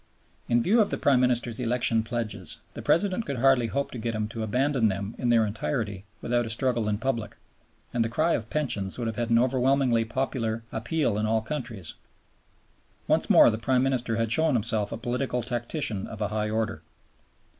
In view of the Prime Minister's election pledges, the President could hardly hope to get him to abandon them in their entirety without a struggle in public; and the cry of pensions would have had an overwhelming popular appeal in all countries. Once more the Prime Minister had shown himself a political tactician of a high order.